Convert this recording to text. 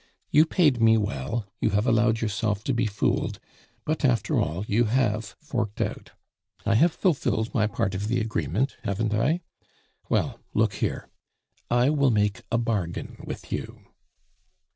You paid me well; you have allowed yourself to be fooled, but, after all, you have forked out. I have fulfilled my part of the agreement, haven't I? Well, look here, I will make a bargain with you."